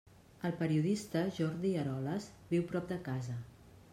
El periodista Jordi Eroles viu prop de casa.